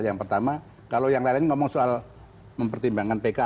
yang pertama kalau yang lain lain ngomong soal mempertimbangkan pk